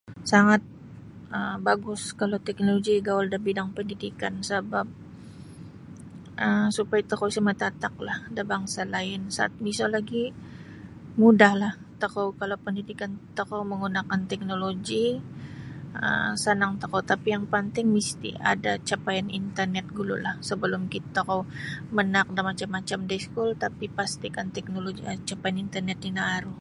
Sangat um bagus kalau teknoloji igaul da bidang pendidikan sabap um supaya tokou sa matataklah da bangsa lain sat miso lagi mudahlah tokou kalau pendidikan tokou manggunakan teknoloji um sanang tokou tapi yang panting misti ada capaian internetlah gululah sebelum tokou manaak da macam-macam da iskul tapi pastikan capaian internet ino aru.